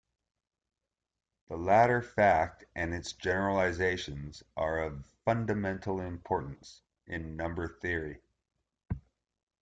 The latter fact and its generalizations are of fundamental importance in number theory.